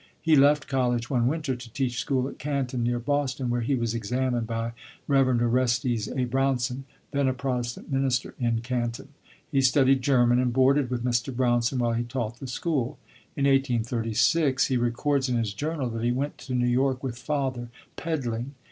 He left college one winter to teach school at Canton, near Boston, where he was examined by Rev. Orestes A. Brownson, then a Protestant minister in Canton. He studied German and boarded with Mr. Brownson while he taught the school. In 1836, he records in his journal that he "went to New York with father, peddling."